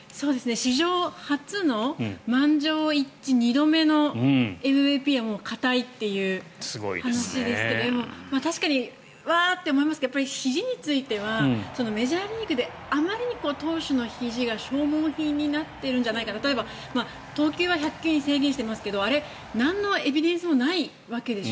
史上初の満場一致２度目のＭＶＰはもう堅いという話ですけど確かにワーッて思いますけどやっぱりひじについてはメジャーリーグであまりに投手のひじが消耗品になっているんじゃないか例えば投球は１００球に制限していますがあれ、何のエビデンスもないわけでしょ。